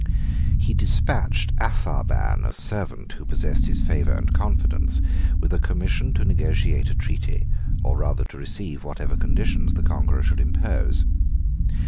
He despatched Apharban, a servant who possessed his favor and confidence, with a commission to negotiate a treaty, or rather to receive whatever conditions the conqueror should impose.